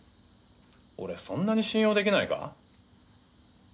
俺そんなに信用できないか？